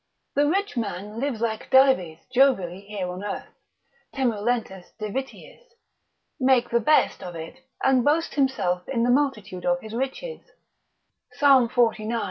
The rich man lives like Dives jovially here on earth, temulentus divitiis, make the best of it; and boasts himself in the multitude of his riches, Psalm xlix.